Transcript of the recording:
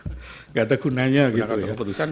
enggak ada gunanya gitu ya